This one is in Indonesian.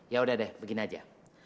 yaudah deh begini aja